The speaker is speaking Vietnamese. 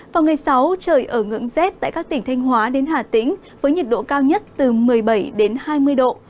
vào ngày sáu trời ở ngưỡng rét tại các tỉnh thanh hóa đến hà tĩnh với nhiệt độ cao nhất từ một mươi bảy đến hai mươi độ